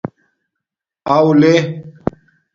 اݸ لے